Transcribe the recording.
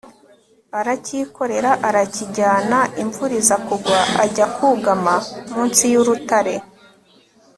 arakikorera, arakijyana. imvura iza kugwa, ajya kugama munsi y'urutare